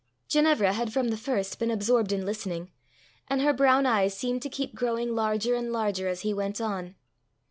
Ginevra had from the first been absorbed in listening, and her brown eyes seemed to keep growing larger and larger as he went on.